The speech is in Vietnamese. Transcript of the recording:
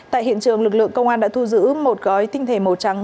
tại hiện trường lực lượng công an đã thu giữ một gói tinh thể màu trắng